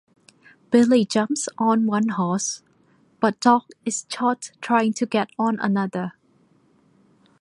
Billy jumps on one horse, but Doc is shot trying to get on another.